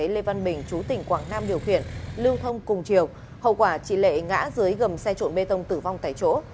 lưu thông cùng chiều hậu quả chị lê ngã dưới gầm xe trộn bê tông tử vong tại chỗ